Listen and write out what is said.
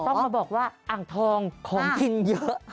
ต้องมาบอกว่าอ่างทองของกินเยอะ